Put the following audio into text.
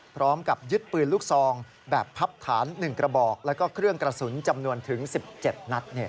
พร้อมกับยึดปืนลูกซองแบบพับฐาน๑กระบอกแล้วก็เครื่องกระสุนจำนวนถึง๑๗นัด